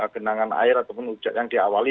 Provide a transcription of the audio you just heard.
genangan air ataupun hujan yang diawali